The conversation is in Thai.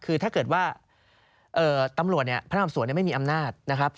คือถ้าเกิดว่าตำรวจเนี่ยพระนามสวนไม่มีอำนาจนะครับ